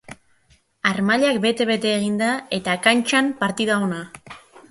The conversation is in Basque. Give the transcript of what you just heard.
Harmailak bete-bete eginda eta kantxan partida ona.